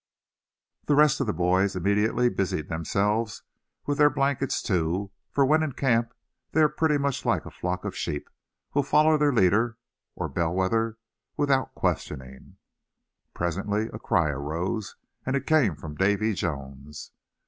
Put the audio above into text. The rest of the boys immediately busied themselves with their blankets too; for when in camp they are pretty much like a flock of sheep, and will follow their leader, or bell wether, without questioning. Presently a cry arose, and it came from Davy Jones.